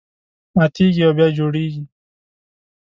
ماتېږي او بیا جوړېږي.